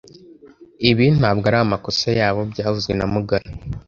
Ibi ntabwo ari amakosa yabo byavuzwe na mugabe